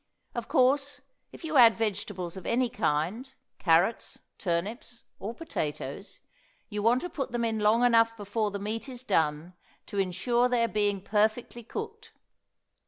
Of course, if you add vegetables of any kind, carrots, turnips, or potatoes, you want to put them in long enough before the meat is done to insure their being perfectly cooked.